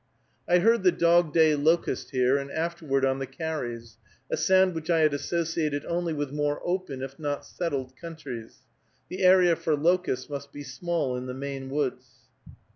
I heard the dog day locust here, and afterward on the carries, a sound which I had associated only with more open, if not settled countries. The area for locusts must be small in the Maine woods.